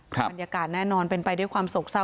บรรยากาศแน่นอนเป็นไปด้วยความโศกเศร้า